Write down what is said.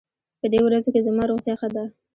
په دې ورځو کې زما روغتيا ښه ده.